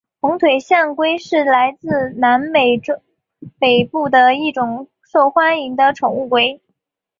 红腿象龟是来自南美洲北部的一种受欢迎的宠物龟。